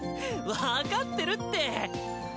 わかってるって！